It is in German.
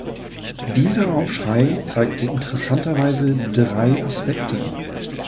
Dieser Aufschrei zeigt interessanterweise drei Aspekte.